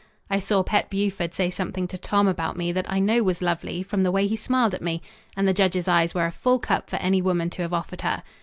I saw Pet Buford say something to Tom about me that I know was lovely from the way he smiled at me; and the judge's eyes were a full cup for any woman to have offered her.